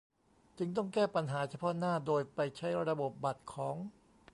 จึงต้องแก้ปัญหาเฉพาะหน้าโดยไปใช้ระบบบัตรของ